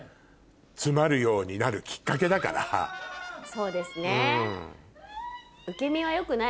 そうですね。